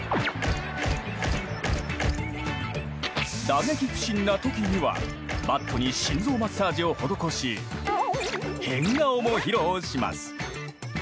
打撃不振な時にはバットに心臓マッサージを施し変顔も披露します。